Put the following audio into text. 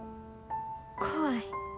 怖い。